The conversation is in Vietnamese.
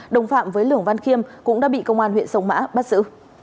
đồng phạm với lường văn khiêm cũng đã bị công an huyện sông mã bắt giữ